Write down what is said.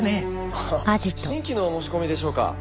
ああ新規の申し込みでしょうか？